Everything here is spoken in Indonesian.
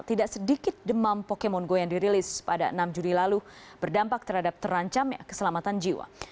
tidak sedikit demam pokemon go yang dirilis pada enam juli lalu berdampak terhadap terancam keselamatan jiwa